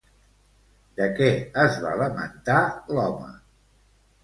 De què es va lamentar l'home?